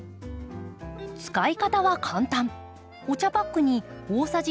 使い方は簡単。